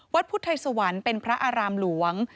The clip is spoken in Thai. พุทธไทยสวรรค์เป็นพระอารามหลวง